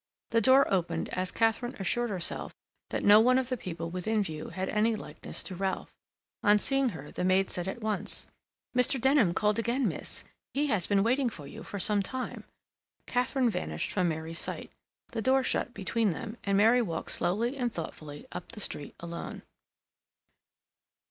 The door opened as Katharine assured herself that no one of the people within view had any likeness to Ralph. On seeing her, the maid said at once: "Mr. Denham called again, miss. He has been waiting for you for some time." Katharine vanished from Mary's sight. The door shut between them, and Mary walked slowly and thoughtfully up the street alone.